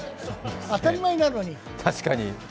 当たり前なのに。